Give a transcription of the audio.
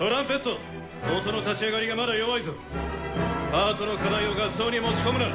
パートの課題を合奏に持ち込むな！